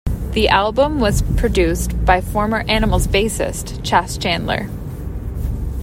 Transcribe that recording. The album was produced by former Animal's bassist Chas Chandler.